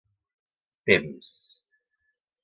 Temps: